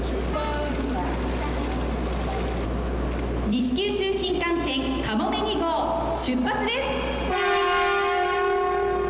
西九州新幹線「かもめ２号」、出発です！